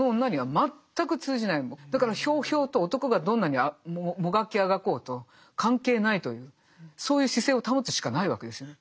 だからひょうひょうと男がどんなにもがきあがこうと関係ないというそういう姿勢を保つしかないわけですよね。